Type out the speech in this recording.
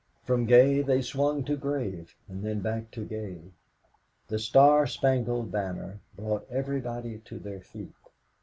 From gay they swung to grave, and then back to gay. "The Star Spangled Banner" brought everybody to their feet.